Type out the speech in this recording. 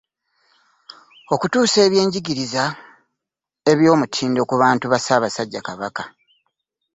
Okutuusa ebyenjigiriza eby'omutindo ku bantu ba Ssaabasajja Kabaka.